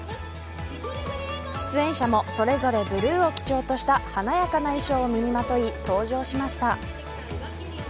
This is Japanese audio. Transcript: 出演者もそれぞれブルーを基調とした華やかな衣装を身にまとい登場しました。